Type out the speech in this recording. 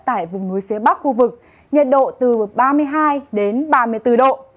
tại vùng núi phía bắc khu vực nhiệt độ từ ba mươi hai đến ba mươi bốn độ